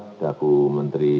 ada bu menteri